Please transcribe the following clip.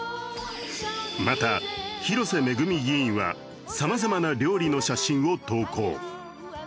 また広瀬めぐみ議員はさまざまな料理の写真を投稿。